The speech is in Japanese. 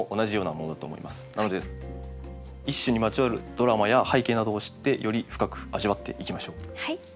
なので一首にまつわるドラマや背景などを知ってより深く味わっていきましょう。